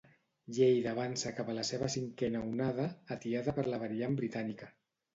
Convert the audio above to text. Lleida avança cap a la seva cinquena onada, atiada per la variant britànica.